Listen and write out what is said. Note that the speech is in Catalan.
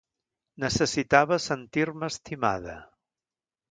Necessitava sentir-me estimada.